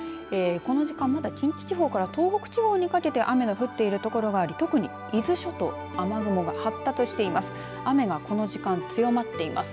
この時間、まだ近畿地方から東北地方にかけて雨の降っている所があり特に伊豆諸島、雨雲が発達しています。